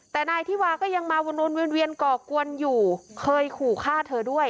แต่นายธิวาก็ยังมาวนเวียนก่อกวนอยู่เคยขู่ฆ่าเธอด้วย